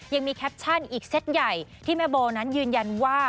ยังมีแคปชั่นอีกเซ็ตใหญ่ที่แม่โบนั้นยืนยันว่า